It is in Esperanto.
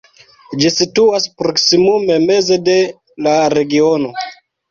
Ĝi situas proksimume meze de la regiono.